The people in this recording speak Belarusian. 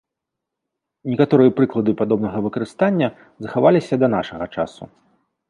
Некаторыя прыклады падобнага выкарыстання захаваліся да нашага часу.